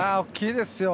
大きいですよ。